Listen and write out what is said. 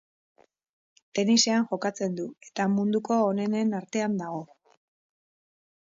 Tenisean jokatzen du, eta munduko onenen artean dago.